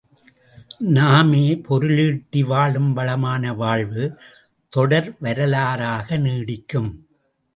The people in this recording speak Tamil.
நாமே பொருளீட்டி வாழும் வளமான வாழ்வு தொடர் வரலாறாக நீடிக்கும்.